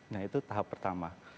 nah itu tahap pertama